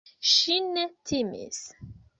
Ŝi ne timis.